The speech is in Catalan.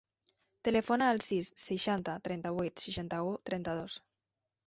Telefona al sis, seixanta, trenta-vuit, seixanta-u, trenta-dos.